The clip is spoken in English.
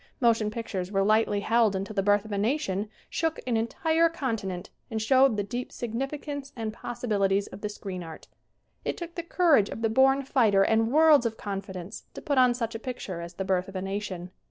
Motion pictures were lightly held until "The Birth of a Nation" shook an entire con tinent and showed the deep significance and possibilities of the screen art. It took the courage of the born fighter and worlds of confidence to put on such a picture as "The Birth of a Nation."